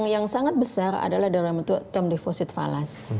yang sangat besar adalah dalam bentuk term defosit falas